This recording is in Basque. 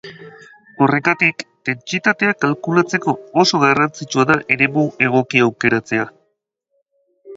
Horregatik, dentsitatea kalkulatzeko oso garrantzitsua da eremu egokia aukeratzea.